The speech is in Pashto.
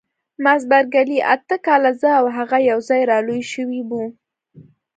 مس بارکلي: اته کاله، زه او هغه یوځای را لوي شوي وو.